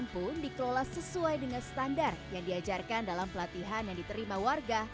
pun dikelola sesuai dengan standar yang diajarkan dalam pelatihan yang diterima warga